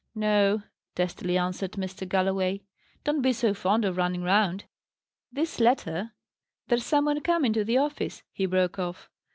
"No," testily answered Mr. Galloway. "Don't be so fond of running round. This letter There's some one come into the office," he broke off.